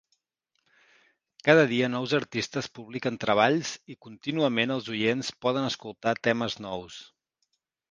Cada dia nous artistes publiquen treballs i contínuament els oients poden escoltar temes nous.